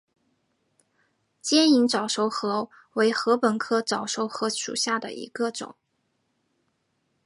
尖颖早熟禾为禾本科早熟禾属下的一个种。